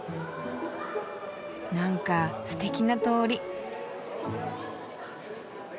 なんかすてきな通り。